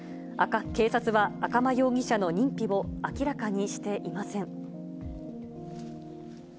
警察は赤間容疑者の認否を明らかにしていません。